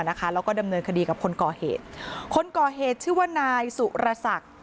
แล้วก็ดำเนินคดีกับคนก่อเหตุคนก่อเหตุชื่อว่านายสุรศักดิ์